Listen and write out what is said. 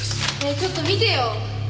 ちょっと見てよ！